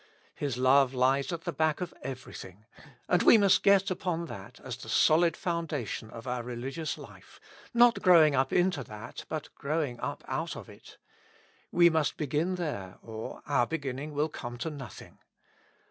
His love lies at the back of everything, and we must get upon that as the solid foundation of our religious life, not growing up into that, but growing up out of it. We must begin there or our beginning will come to nothing.